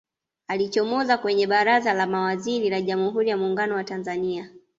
alichomoza kwenye baraza la mawaziri la jamhuri ya muungano wa tanzania